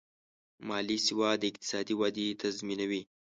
مالي سواد د اقتصادي ودې تضمینوي.